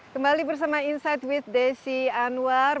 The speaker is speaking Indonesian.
kembali bersama insight with desi anwar